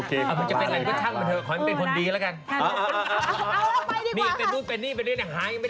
เค้าบอกว่าเป็นแค่ผู้ชายเป็นผู้ชายแรด